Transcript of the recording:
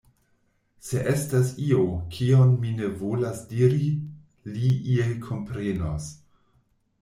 Se estas io, kion mi ne volas diri, li iel komprenos.